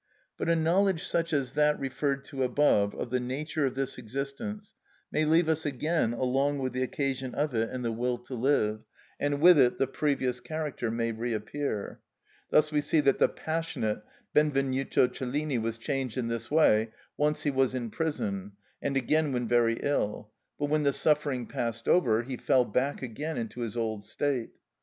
But a knowledge such as that referred to above of the nature of this existence may leave us again along with the occasion of it and the will to live, and with it the previous character may reappear. Thus we see that the passionate Benvenuto Cellini was changed in this way, once when he was in prison, and again when very ill; but when the suffering passed over, he fell back again into his old state.